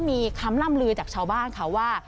มีคำล่ำลือจากชาวบ้านค่ะว่า